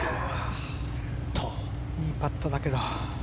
いいパットだけど。